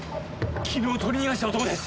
昨日取り逃がした男です！